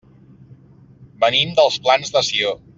Venim dels Plans de Sió.